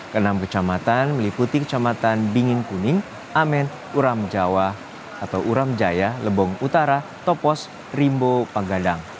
ke enam kecamatan meliputi kecamatan dingin kuning amen uram jawa atau uram jaya lebong utara topos rimbo panggadang